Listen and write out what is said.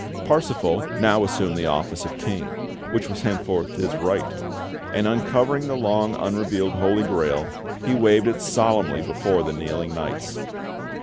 Parsifal now assumed the office of King, which was henceforth his right; and, uncovering the long unrevealed Holy Grail, he waved it solemnly before the kneeling knights.